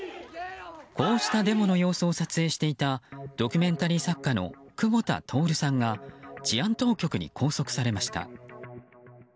こうしたデモの様子を撮影したドキュメンタリー作家の久保田徹さんが治安当局に拘束されました。